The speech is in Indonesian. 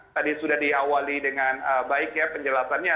tadi sudah diawali dengan baik ya penjelasannya